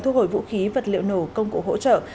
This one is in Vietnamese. thu hồi vũ khí vật liệu nổ công cụ hỗ trợ